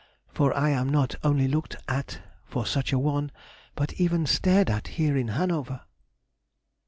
for I am not only looked at for such a one, but even stared at here in Hanover!"